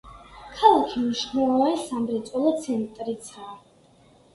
ქალაქი მნიშვნელოვანი სამრეწველო ცენტრიცაა.